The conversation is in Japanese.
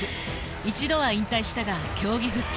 一度は引退したが競技復帰。